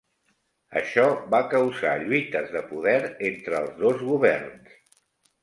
Això va causar lluites de poder entre els dos governs.